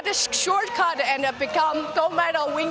kita bisa menurutkan kita menjadi pemenang gold medal bukan